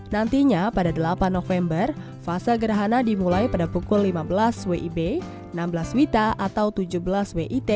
nantinya pada delapan november fase gerhana dimulai pada pukul lima belas wib enam belas wita atau tujuh belas wit